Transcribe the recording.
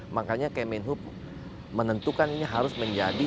makanya kemenhub menentukan ini harus menjadi